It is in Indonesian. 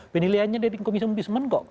penilaiannya dari komisi burseman kok